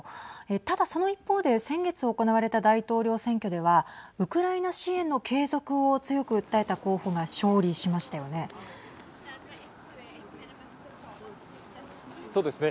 ただ、その一方で先月行われた大統領選挙ではウクライナ支援の継続を強く訴えた候補がそうですね。